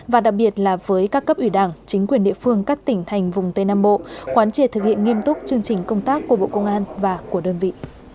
và đặc biệt là với các cấp ủy đảng chính quyền địa phương các tỉnh thành vùng tây nam bộ quán triệt thực hiện nghiêm túc chương trình công tác của bộ công an và của đơn vị